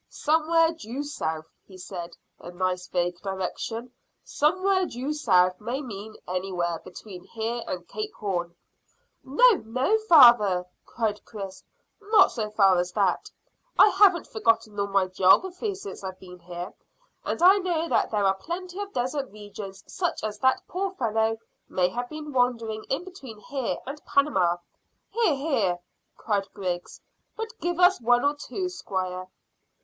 "Somewhere due south," he said; "a nice vague direction. Somewhere due south may mean anywhere between here and Cape Horn." "No, no, father," cried Chris; "not so far as that. I haven't forgotten all my geography since I've been here, and I know that there are plenty of desert regions such as that poor fellow may have been wandering in between here and Panama." "Hear, hear!" cried Griggs. "But give us one or two, squire."